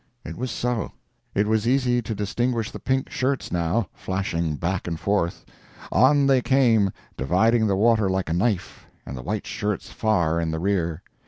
It was so. It was easy to distinguish the pink shirts, now, flashing back and forth. On they came, dividing the water like a knife, and the white shirts far in the rear.